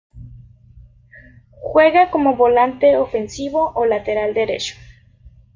Juega como volante ofensivo o lateral derecho.